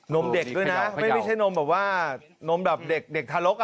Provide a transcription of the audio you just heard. มเด็กด้วยนะไม่ใช่นมแบบว่านมแบบเด็กทารก